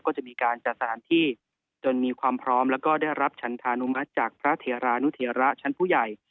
ก็จะมีการจัดสถานที่จนมีความพร้อมแล้วก็ได้รับฉันธานุมัติจากพระเทรานุเทียระชั้นผู้ใหญ่